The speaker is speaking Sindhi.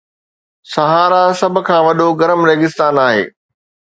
صحارا سڀ کان وڏو گرم ريگستان آهي